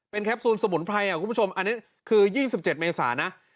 แคปซูลสมุนไพรคุณผู้ชมอันนี้คือ๒๗เมษานะ